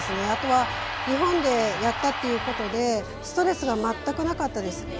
あとは日本でやったということでストレスが全くなかったです。